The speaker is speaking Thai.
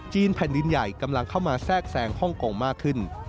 แผ่นดินใหญ่กำลังเข้ามาแทรกแซงฮ่องกงมากขึ้น